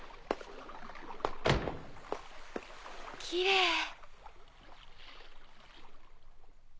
きれい。